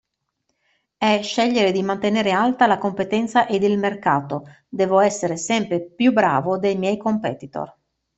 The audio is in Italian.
È scegliere di mantenere alta la competenza ed il mercato, devo essere sempre più bravo dei miei competitor.